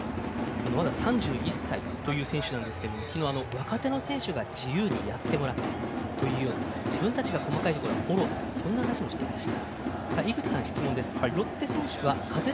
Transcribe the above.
まだ３１歳なんですけど昨日、若手の選手が自由にやってもらって自分たちが細かいところはフォローするという話をしていました。